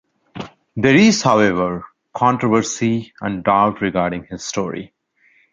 There is however, controversy and doubt regarding this story.